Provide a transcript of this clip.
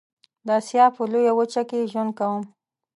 د آسيا په لويه وچه کې ژوند کوم.